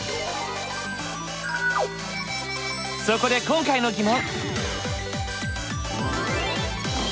そこで今回の疑問！